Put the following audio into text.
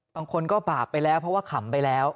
บางคนก็บาปไปแล้วเพราะว่าขำไปแล้ว